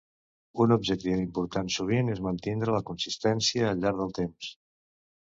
Un objectiu important sovint és mantindre la consistència al llarg del temps.